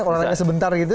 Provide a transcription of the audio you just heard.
olahraga sebentar gitu